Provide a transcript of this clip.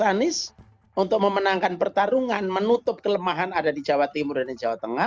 anies untuk memenangkan pertarungan menutup kelemahan ada di jawa timur dan di jawa tengah